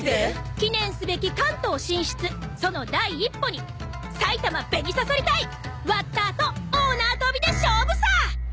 記念すべき関東進出その第一歩に埼玉紅さそり隊ワッターと大なわとびで勝負さ！